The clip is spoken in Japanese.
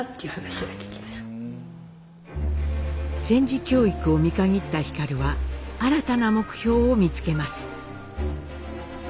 戦時教育を見限った皓は新たな目標を見つけます。